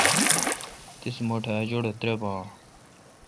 تیس مہ ٹھ ا جوڑہ ترےبان آں